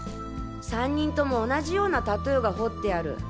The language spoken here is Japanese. ３人とも同じようなタトゥーが彫ってある。